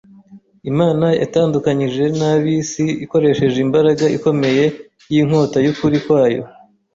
Imana yatandukanyije n’ab’isi ikoresheje imbaraga ikomeye y’inkota y’ukuri kwayo.